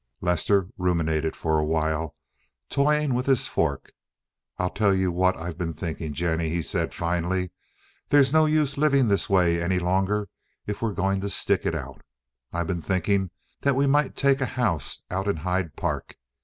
Lester ruminated for a while, toying with his fork. "I'll tell you what I've been thinking, Jennie," he said finally. "There's no use living this way any longer, if we're going to stick it out. I've been thinking that we might take a house out in Hyde Park.